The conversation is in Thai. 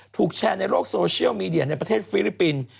ถูกแชร์ในโลกโซเชียลมีเดียในประเทศฟิลิปปินส์